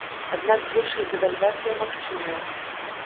Аднак большая дэвальвацыя магчымая.